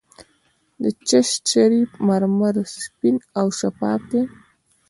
د چشت شریف مرمر سپین او شفاف دي.